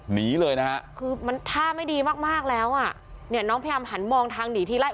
หนีเลยนะฮะคือมันท่าไม่ดีมากมากแล้วอ่ะเนี่ยน้องพยายามหันมองทางหนีทีไล่